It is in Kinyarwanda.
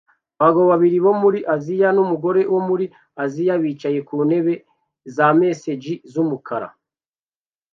Abagabo babiri bo muri Aziya numugore wo muri Aziya bicaye ku ntebe za massage z'umukara